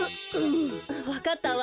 わかったわ。